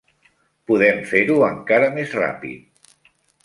Podem fer-ho encara més ràpid.